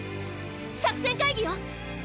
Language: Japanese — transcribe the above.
作戦会議よ！